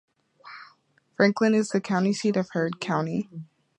Franklin is the county seat of Heard County.